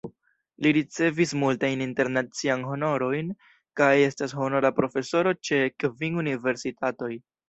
Li ricevis multajn internaciajn honorojn kaj estas honora profesoro ĉe kvin universitatoj.